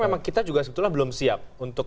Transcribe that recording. memang kita juga sebetulnya belum siap untuk